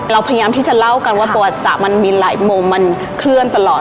เราพยายามที่จะเล่ากันว่าประวัติศาสตร์มันมีหลายมุมมันเคลื่อนตลอด